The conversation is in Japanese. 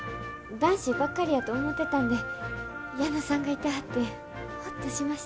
男子ばっかりやと思ってたんで矢野さんがいてはってホッとしました。